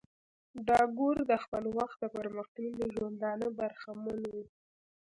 ټاګور د خپل وخت د پرمختللی ژوندانه برخمن وو.